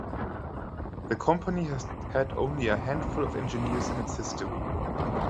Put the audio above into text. The company has had only a handful of engineers in its history.